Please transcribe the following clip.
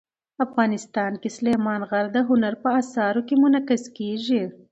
افغانستان کې سلیمان غر د هنر په اثار کې منعکس کېږي.